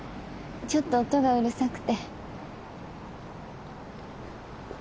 ちょっと音がうるさくて。